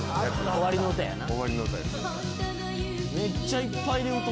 終わりの歌やな。